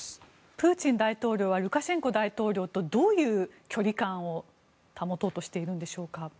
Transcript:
プーチン大統領はルカシェンコ大統領とどういう距離感を保とうとしているんでしょうか。